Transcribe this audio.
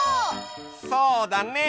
そうだね。